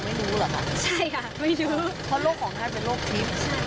เพราะโรคของท่านเป็นโรคทิศ